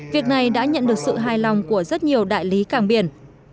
việc này đã nhận được sự hài lòng của rất nhiều đại lý cảng biển